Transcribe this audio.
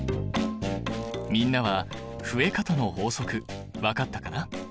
みんなは増え方の法則分かったかな？